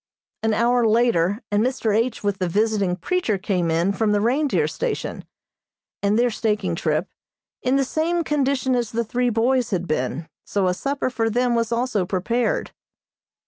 An hour later and Mr. H. with the visiting preacher came in from the reindeer station, and their staking trip, in the same condition as the three boys had been; so a supper for them was also prepared.